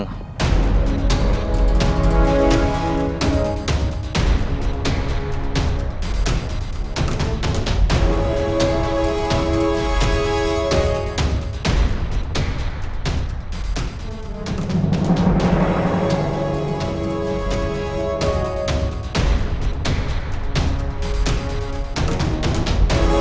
masih ada yang nungguin